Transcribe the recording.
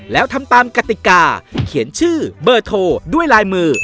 แล้วทำตามกติกาเขียนชื่อเบอร์โทรด้วยลายมือ